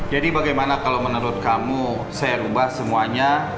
jadi bagaimana kalau menurut kamu saya ubah semuanya